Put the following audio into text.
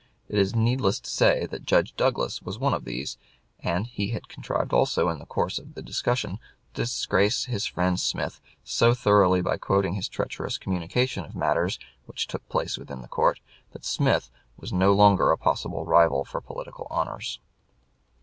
It is needless to say that Judge Douglas was one of these, and he had contrived also in the course of the discussion to disgrace his friend Smith so thoroughly by quoting his treacherous communication of matters which took place within the court, that Smith was no longer a possible rival for political honors.